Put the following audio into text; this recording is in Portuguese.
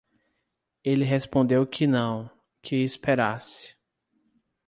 Ele respondeu que não, que esperasse.